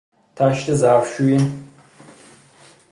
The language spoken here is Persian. تشت ظرفشویی